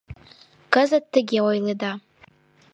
— Кызыт тыге ойледа.